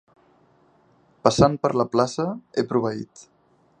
Passant per la plaça he proveït.